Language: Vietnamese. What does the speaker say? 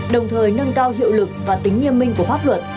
đồng thời nâng cao hiệu lực và tính nghiêm minh của pháp luật